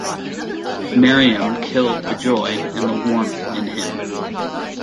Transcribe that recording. Miriam killed the joy and the warmth in him.